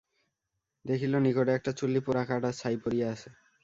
দেখিল, নিকটে একটা চুল্লি, পোড়া কাঠ আর ছাই পড়িয়া আছে।